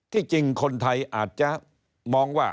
จริงคนไทยอาจจะมองว่า